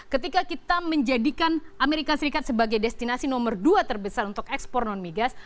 ketika kita menjadikan amerika serikat sebagai destinasi nomor dua terbesar untuk ekspor non migas